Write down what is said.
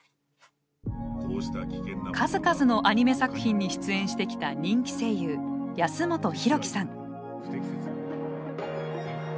数々のアニメ作品に出演してきた人気声優安元洋貴さん。